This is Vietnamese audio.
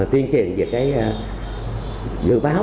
tuyên truyền về dự báo